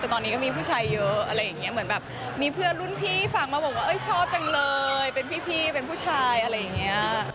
แต่ตอนนี้ก็มีผู้ชายเยอะอะไรอย่างนี้เหมือนแบบมีเพื่อนรุ่นพี่ฝากมาบอกว่าชอบจังเลยเป็นพี่เป็นผู้ชายอะไรอย่างนี้